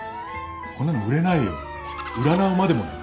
こんなの売れないよ占うまでもない。